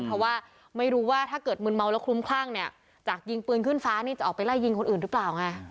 เพราะว่าไม่รู้ว่าถ้าเกิดมึนเมาแล้วคลุ้มคลั่งเนี่ยจากยิงปืนขึ้นฟ้านี่จะออกไปไล่ยิงคนอื่นหรือเปล่าไง